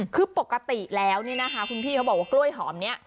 คือปกติแล้วเนี่ยนะคะคุณพี่เขาบอกว่ากล้วยหอมนี้